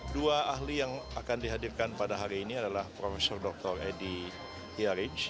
dua ahli yang akan dihadirkan pada hari ini adalah prof dr edi yaric